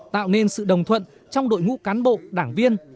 tạo nên sự đồng thuận trong đội ngũ cán bộ đảng viên